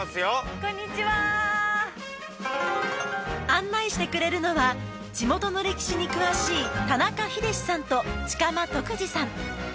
こんにちは案内してくれるのは地元の歴史に詳しい田中秀志さんと近間十九二さん